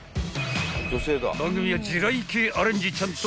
［番組は地雷系アレンジちゃんと］